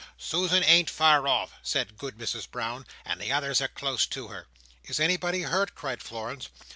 "Susan ain't far off," said Good Mrs Brown; "and the others are close to her." "Is anybody hurt?" cried Florence.